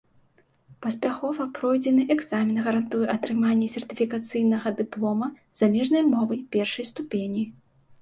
Паспяхова пройдзены экзамен гарантуе атрыманне сертыфікацыйнага дыплома замежнай мовы першай ступені.